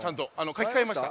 かきかえました。